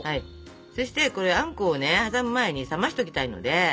そしてこれあんこをね挟む前に冷ましときたいので。